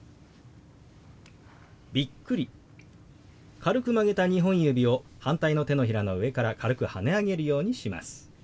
軽く曲げた２本指を反対の手のひらの上から軽くはね上げるようにします。